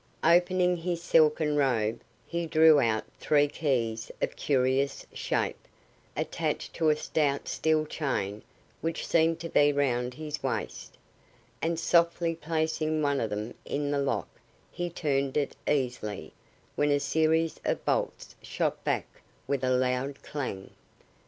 Opening his silken robe, he drew out three keys of curious shape, attached to a stout steel chain which seemed to be round his waist, and softly placing one of them in the lock he turned it easily, when a series of bolts shot back with a loud clang.